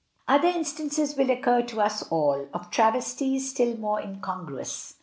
Other instances will occur to us all, of travesties still more incongruous.